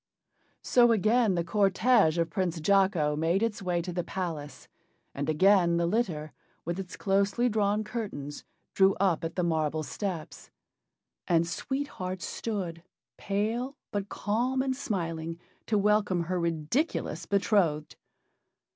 So again the cortége of Prince Jocko made its way to the palace, and again the litter, with its closely drawn curtains, drew up at the marble steps. And Sweet Heart stood, pale, but calm and smiling, to welcome her ridiculous betrothed.